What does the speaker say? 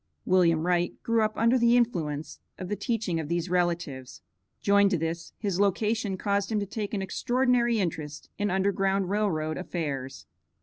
William Wright grew up under the influence of the teachings of these relatives. Joined to this, his location caused him to take an extraordinary interest in Underground Rail Road affairs.